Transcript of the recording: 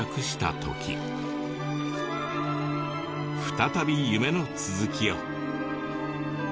再び夢の続きを。